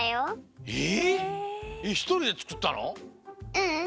ううん。